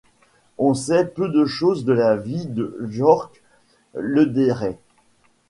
On sait peu de choses de la vie de Jörg Lederer.